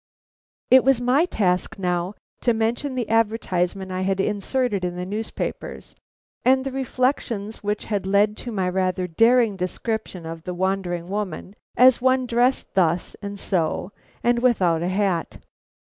It was my task now to mention the advertisement I had inserted in the newspapers, and the reflections which had led to my rather daring description of the wandering woman as one dressed thus and so, and without a hat.